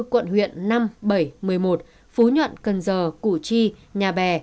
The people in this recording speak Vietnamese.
một quận huyện năm bảy một mươi một phú nhuận cần giờ củ chi nhà bè